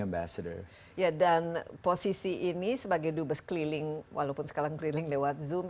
ambassador ya dan posisi ini sebagai dubes keliling walaupun sekarang keliling lewat zoom